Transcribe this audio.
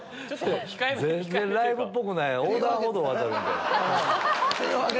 全然ライブっぽくない。